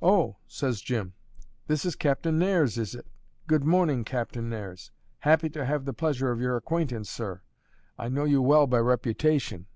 "O!" says Jim, "this is Captain Nares, is it? Good morning, Captain Nares. Happy to have the pleasure of your acquaintance, sir. I know you well by reputation."